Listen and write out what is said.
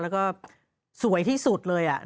แล้วก็สวยที่สุดเลย